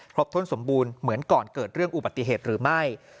ท้นสมบูรณ์เหมือนก่อนเกิดเรื่องอุบัติเหตุหรือไม่